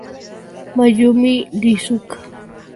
Mayumi Iizuka